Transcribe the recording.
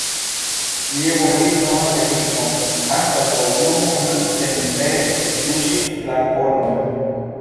Li evoluis novan teknikon, anstataŭ plumo li senpere tuŝis la kordojn.